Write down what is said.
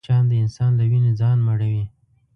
مچان د انسان له وینې ځان مړوي